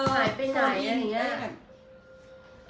หายไปไหนอย่างนี้